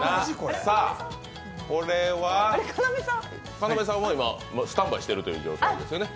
要さんは今スタンバイしているという状態ですよね？